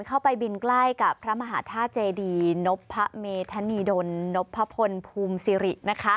เข้าไปบินใกล้กับพระมหาธาตุเจดีนพพะเมธนีดลนพพลภูมิสิริ